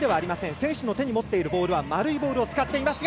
選手の手に持っているボールは丸いボールを使っています。